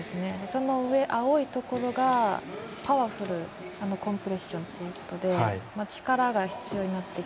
その上、青いところがパワフルなコンプレッション力が必要になっていく。